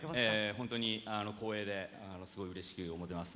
本当に光栄ですごい嬉しく思ってます